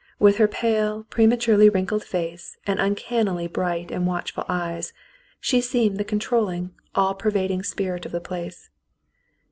With her pale, prematurely wrinkled face and uncannily bright and watchful eyes, she seemed the controlling, all pervading spirit of the place.